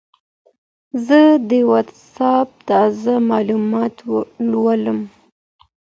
زه د وټساپ تازه معلومات ولولم.